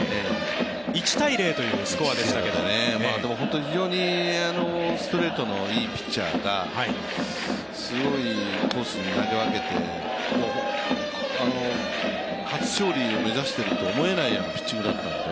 １−０というスコアでしたけどでも本当に、非常にストレートのいいピッチャーがすごいコースに投げ分けて、初勝利を目指していると思えないようなピッチングだったんで。